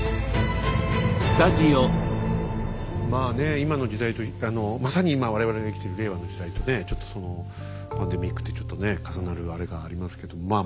まあねえ今の時代まさに今我々が生きてる令和の時代とねちょっとパンデミックってちょっとね重なるあれがありますけどまあ